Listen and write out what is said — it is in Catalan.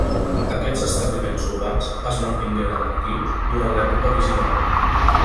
Aquests establiments urbans es mantingueren actius durant l'època Visigoda.